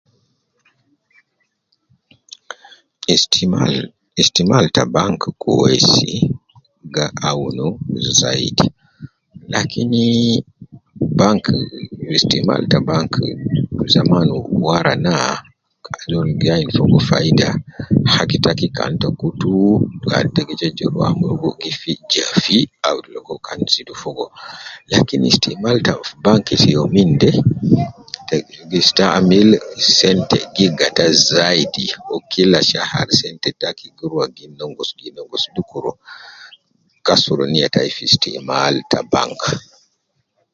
Istima Istimal ta bank kwessi, bank awunu zaidi. Lakin bank Istimal ta bank Istimal ta bank zaman wara naa azol gainu Fogo faida haki lakin Istimal ta bank ta youminde gi gata sante zaidi kasuru Niya tayi min Istimal bank